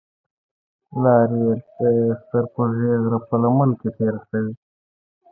لار یې د سر پوزې غره په لمن کې تېره شوې.